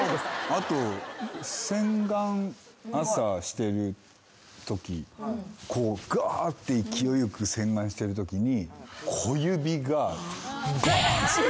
あと洗顔朝してるときこうガーッて勢いよく洗顔してるときに。